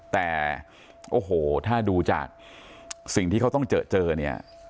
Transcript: แต่โอ้โหถ้าดูจากสิ่งที่เขาต้องเจอเจอเนี่ย